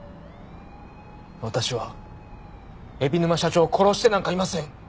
私は海老沼社長を殺してなんかいません。